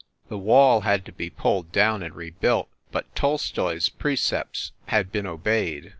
The wall had to be pulled down and rebuilt, but Tolstoi s precepts had been obeyed.